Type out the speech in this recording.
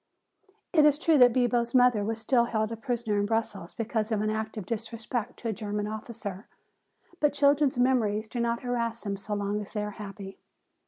It is true that Bibo's mother was still held a prisoner in Brussels because of an act of disrespect to a German officer. But children's memories do not harass them so long as they are happy.